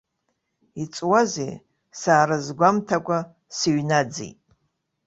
Иҵуазеи, саарызгәамҭакәа сыҩнаӡит.